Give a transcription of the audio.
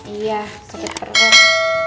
iya sakit perut